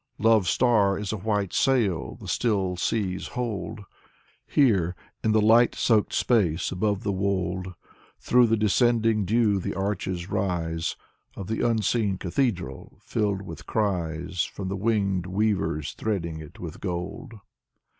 Love's star is a white sail the still seas hold. Here, in the light soaked space above the wold, Through the descending dew the arches rise Of the unseen cathedral, filled with cries From the winged weavers threading it with gold.